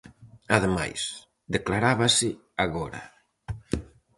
Ademais, declarábase agora.